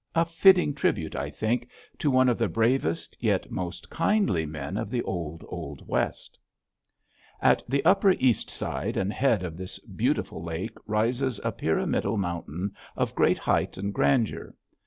A fitting tribute, I think, to one of the bravest yet most kindly men of the old, old West! At the upper east side and head of this beautiful lake rises a pyramidal mountain of great height and grandeur.